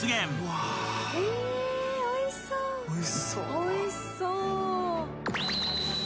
おいしそう。